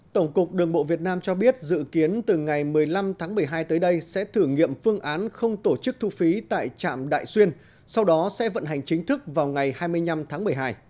tổng cục đường bộ việt nam cho biết dự kiến từ ngày một mươi năm tháng một mươi hai tới đây sẽ thử nghiệm phương án không tổ chức thu phí tại trạm đại xuyên sau đó sẽ vận hành chính thức vào ngày hai mươi năm tháng một mươi hai